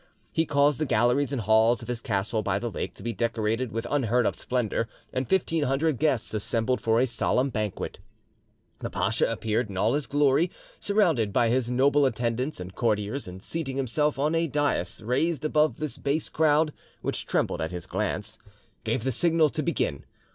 He caused the galleries and halls of his castle by the lake to be decorated with unheard of splendour, and fifteen hundred guests assembled for a solemn banquet. The pacha appeared in all his glory, surrounded by his noble attendants and courtiers, and seating himself on a dais raised above this base crowd which trembled at his glance, gave the signal to begin.